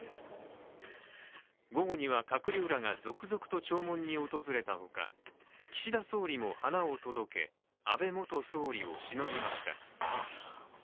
午後には閣僚らが続々と弔問に訪れたほか岸田総理も花を届け、安倍元総理をしのびました。